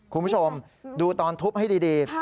คุณผู้ชมดูตอนทุบให้ดี